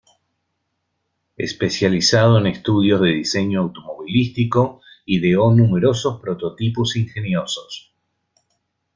Especializado en estudios de diseño automovilístico, ideó numerosos prototipos ingeniosos.